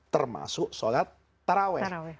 termasuk sholat taraweh